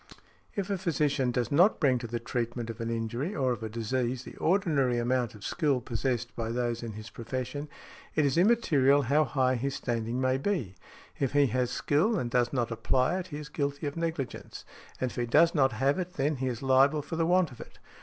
If a physician does not bring to the treatment of an injury or of a disease the ordinary amount of skill possessed by those in his profession, it is immaterial how high his standing may be; if he has skill and does not apply it he is guilty of negligence, and if he does not have it then he is liable for the want of it.